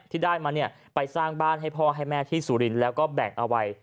ที่ได้มาเนี่ยไปสร้างบ้านให้พ่อให้แม่ที่สุรินทร์แล้วก็แบ่งเอาไว้